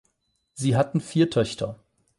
Sie hatten vier Töchter.